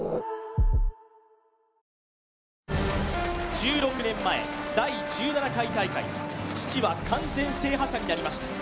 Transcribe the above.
１６年前、第１７回大会、父は完全制覇者になりました。